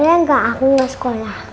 bagaimana aku gak sekolah